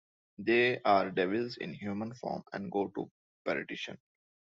They are devils in human form and go to perdition.